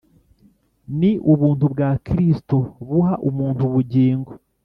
Ni ubuntu bwa Kristo buha umuntu ubugingo